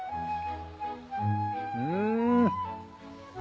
うん！